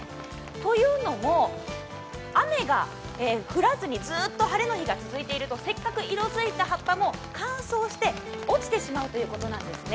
というのも、雨が降らずにずっと晴れの日が続いているとせっかく色づいた葉っぱも乾燥して落ちてしまうということなんですね。